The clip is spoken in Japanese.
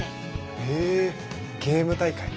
へえゲーム大会？